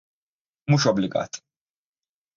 Mhux obbligat.